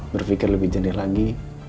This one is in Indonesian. berpikir lebih jenis lagi